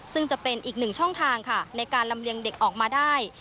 ซึ่งจะเป็นอีกหนึ่งช่องทางค่ะในการลำเลียงเด็กออกมาได้